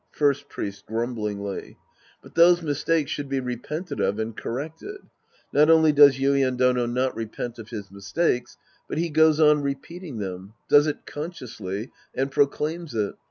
First Priest {grumblingly). But those mistakes should be repented of and corrected. Not only does Yuien Dono not repent of his mistakes, but he goes on repeating them, does it consciously, and proclaims it.